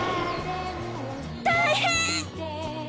大変‼